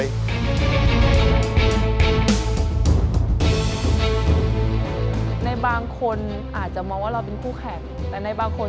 พลอยเชื่อว่าเราก็จะสามารถชนะเพื่อนที่เป็นผู้เข้าประกวดได้เหมือนกัน